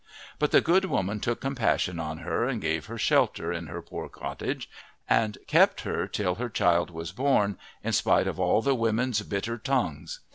But the good woman took compassion on her and gave her shelter in her poor cottage, and kept her till her child was born, in spite of all the women's bitter tongues.